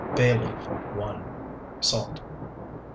Bay leaf, 1. Salt.